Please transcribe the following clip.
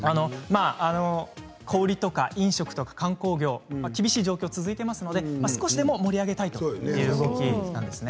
小売り・飲食・観光業と厳しい状況が続いていますので少しでも盛り上げたいという動きなんですね。